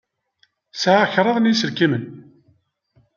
Sɛiɣ kraḍ n yiselkimen.